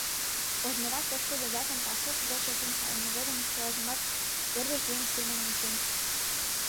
Ожнырак, пошкудо-влакын пасушт гоч эртен кайме годым, чылажымат ӧрдыж еҥ семын ончен.